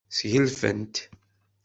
Sgelfent.